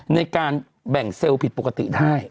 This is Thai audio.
ในการแบ่งเซลล์ผิดปกติได้